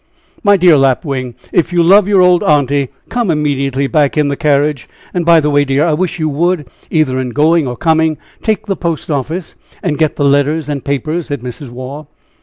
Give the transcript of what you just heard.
"My dear Lapwing, if you love your old aunty, come immediately back in the carriage. And, by the way, my dear, I wish you would, either in going or coming, take the post office, and get the letters and papers," said Mrs. Waugh.